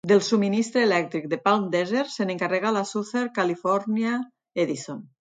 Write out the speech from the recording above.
Del subministre elèctric de Palm Desert se n'encarrega la Southern Califòrnia Edison.